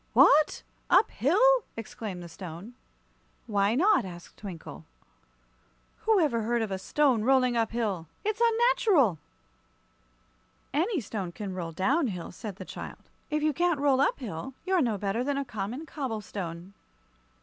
"What! Up hill?" exclaimed the Stone. "Why not?" asked Twinkle. "Who ever heard of a stone rolling up hill? It's unnatural!" "Any stone can roll down hill," said the child. "If you can't roll up hill, you're no better than a common cobble stone."